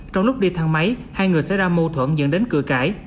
trong lúc đi thang máy hai người xảy ra mâu thuẫn dẫn đến cửa cãi